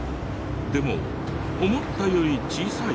でも思ったより小さい？